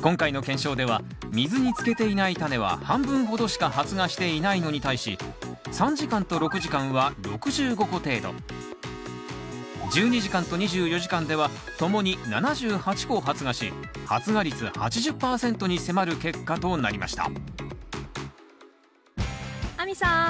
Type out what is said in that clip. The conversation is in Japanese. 今回の検証では水につけていないタネは半分ほどしか発芽していないのに対し３時間と６時間は６５個程度１２時間と２４時間ではともに７８個発芽し発芽率８０％に迫る結果となりました亜美さん